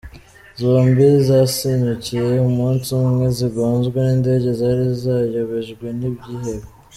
Zombi zasenyukiye umunsi umwe zigonzwe n’indege zari zayobejwe n’ibyihebe.